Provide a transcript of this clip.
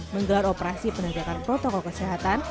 menggelar operasi penegakan protokol kesehatan